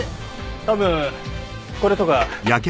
多分これとか。